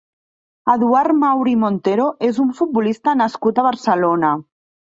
Eduard Mauri i Montero és un futbolista nascut a Barcelona.